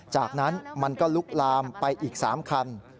จากนั้นมันก็ลุกลามไปอีก๓คัน